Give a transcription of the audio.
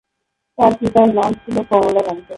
তার পিতার নাম ছিল কমলাকান্ত।